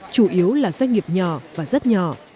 chủ yếu là doanh nghiệp nhỏ và rất nhỏ